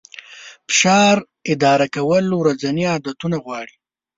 فشار اداره کول ورځني عادتونه غواړي.